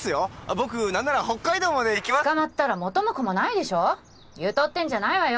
僕何なら北海道まで捕まったら元も子もないでしょゆとってんじゃないわよ